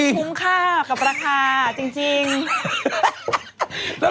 อินทรีย์